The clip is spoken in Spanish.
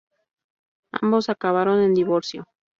Ambos acabaron en divorcio.